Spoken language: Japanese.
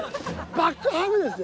バックハグですよ。